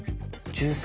１３